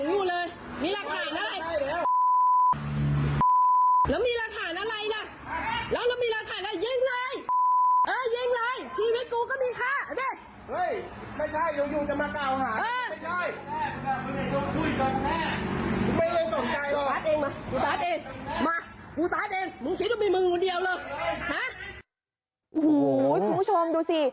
โอ้โหคุณผู้ชมดูสิ